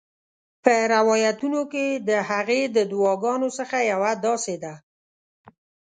په روایتونو کې د هغې د دعاګانو څخه یوه داسي ده: